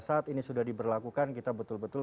saat ini sudah diberlakukan kita betul betul